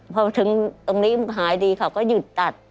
พอถึงตรงนี้หายดีเขาก็หยุดตัด